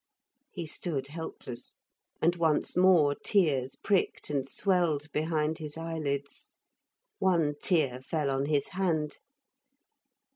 He stood helpless, and once more tears pricked and swelled behind his eyelids. One tear fell on his hand.